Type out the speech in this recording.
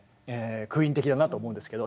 クイーン的だなと思うんですけど